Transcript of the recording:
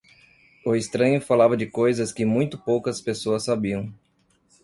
O estranho falava de coisas que muito poucas pessoas sabiam.